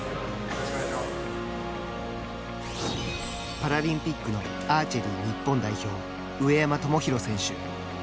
パラリンピックのアーチェリー日本代表上山友裕選手。